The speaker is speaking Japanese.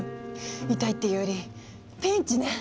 痛いっていうよりピンチね。